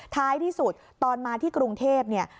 ท้ายที่สุดตอนมาที่กรุงเทพเนี่ย